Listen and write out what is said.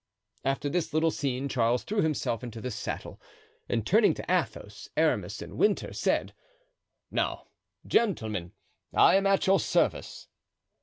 After this little scene Charles threw himself into the saddle, and turning to Athos, Aramis and Winter, said: "Now, gentlemen, I am at your service."